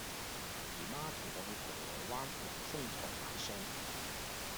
姨媽同我去銅鑼灣宏豐台買餸